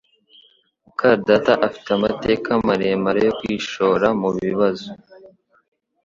muka data afite amateka maremare yo kwishora mubibazo